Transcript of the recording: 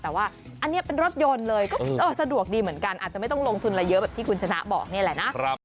แต่ว่าอันนี้เป็นรถยนต์เลยก็สะดวกดีเหมือนกันอาจจะไม่ต้องลงทุนอะไรเยอะแบบที่คุณชนะบอกนี่แหละนะ